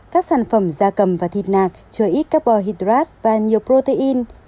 các sản phẩm da cầm và thịt nạc chứa ít carbon hydrate và nhiều protein